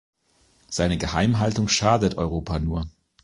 Seine Geheimhaltung schadet Europa nur.